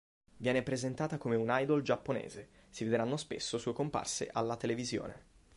Viene presentata come un idol giapponese, si vedranno spesso sue comparse alla televisione.